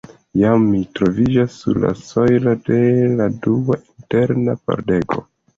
Jam mi troviĝas sur la sojlo de la dua interna pordego.